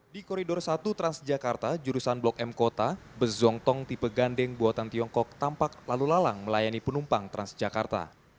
di koridor satu transjakarta jurusan blok m kota bus zongtong tipe gandeng buatan tiongkok tampak lalu lalang melayani penumpang transjakarta